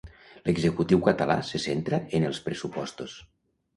L'executiu català se centra en els pressupostos.